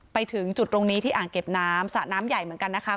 ไปถึงจุดตรงนี้ที่อ่างเก็บน้ำสระน้ำใหญ่เหมือนกันนะคะ